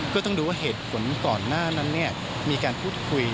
ก็ต้องดูว่าเหตุผลก่อนหน้านั้นมีการพูดคุย